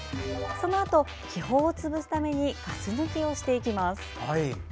そのあと、気泡を潰すためにガス抜きをしていきます。